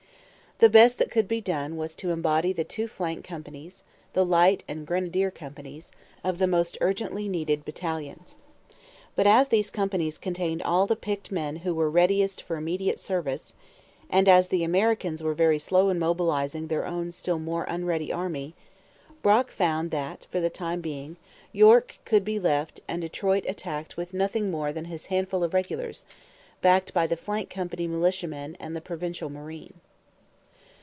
The best that could be done was to embody the two flank companies the Light and Grenadier companies of the most urgently needed battalions. But as these companies contained all the picked men who were readiest for immediate service, and as the Americans were very slow in mobilizing their own still more unready army, Brock found that, for the time being, York could be left and Detroit attacked with nothing more than his handful of regulars, backed by the flank company militiamen and the Provincial Marine.